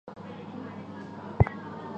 手焊则经常使用烙铁。